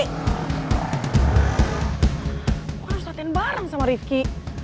gue harus latihan bareng sama ripki